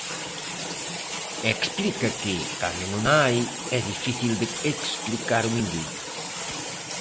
E explica que, cando non a hai, é difícil de explicar un indulto.